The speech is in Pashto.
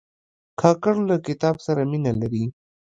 کاکړ له کتاب سره مینه لري.